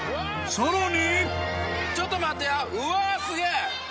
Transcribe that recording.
［さらに］